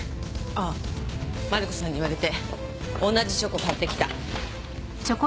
ああマリコさんに言われて同じチョコ買ってきた。